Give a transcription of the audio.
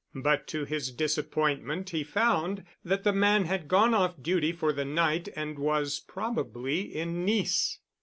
But to his disappointment he found that the man had gone off duty for the night and was probably in Nice.